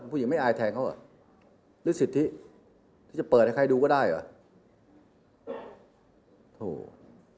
ผู้หญิงไม่อายแทนเขาหรอกนึกสิทธิจะเปิดให้ใครดูก็ได้หรอก